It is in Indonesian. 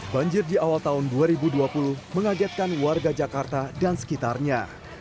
banjir di awal tahun dua ribu dua puluh mengagetkan warga jakarta dan sekitarnya